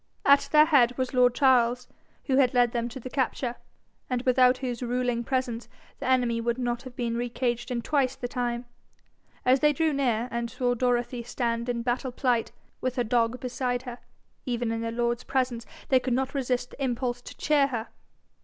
At their head was lord Charles, who had led them to the capture, and without whose ruling presence the enemy would not have been re caged in twice the time. As they drew near, and saw Dorothy stand in battle plight, with her dog beside her, even in their lord's presence they could not resist the impulse to cheer her.